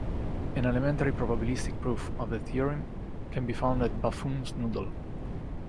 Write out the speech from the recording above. An elementary probabilistic proof of the theorem can be found at Buffon's noodle.